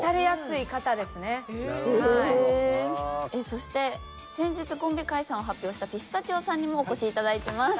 そして先日コンビ解散を発表したピスタチオさんにもお越しいただいてます。